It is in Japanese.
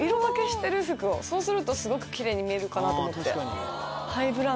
そうするとすごくキレイに見えるかなと思って。